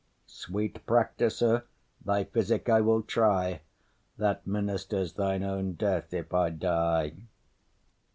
Sweet practiser, thy physic I will try, That ministers thine own death if I die.